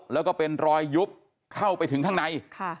แล้วก็เป็นรอยยุบเข้าไปถึงข้างใน